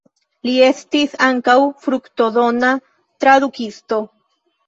Li estis ankaŭ fruktodona tradukisto.